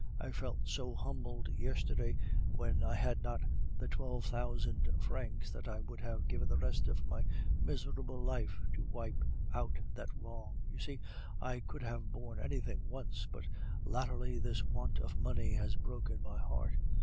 I felt so humbled yesterday when I had not the twelve thousand francs, that I would have given the rest of my miserable life to wipe out that wrong. You see, I could have borne anything once, but latterly this want of money has broken my heart.